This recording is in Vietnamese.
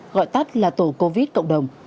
gọi tắt là tổ covid cộng đồng